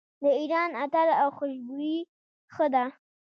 د ایران عطر او خوشبویي ښه ده.